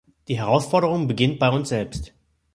Die Herausforderung beginnt bei uns selbst.